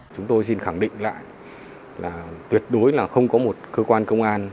chúng tôi xin khẳng định lại là tuyệt đối là không có một cơ quan công an